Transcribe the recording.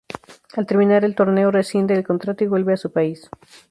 Al terminar el torneo rescinde el contrato y vuelve a su país.